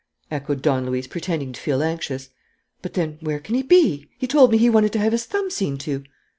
echoed Don Luis, pretending to feel anxious. "But, then, where can he be? He told me he wanted to have his thumb seen to."